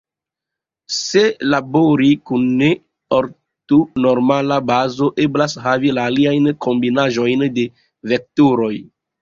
Se labori kun ne-ortonormala bazo, eblas havi la aliajn kombinaĵojn de vektoroj.